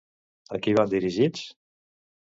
A qui van dirigits?